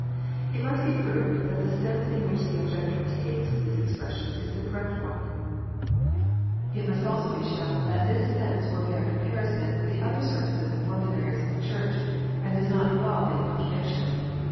It must be proved that the sense in which the objector takes these expressions is the correct one. PRAYER BOOK STATEMENTS : REGENERATION. 135 It must also be shown that this sense will bear comparison with the other Services and formularies of the Church, and does not involve any contradiction.